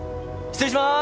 失礼しまーす！